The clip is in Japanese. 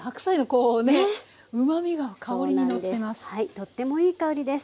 とってもいい香りです。